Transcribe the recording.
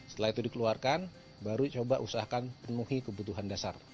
setelah itu dikeluarkan baru coba usahakan penuhi kebutuhan dasar